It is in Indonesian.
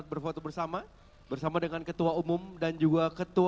terima kasih selamat malam